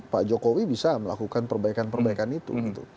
pak jokowi bisa melakukan perbaikan perbaikan itu gitu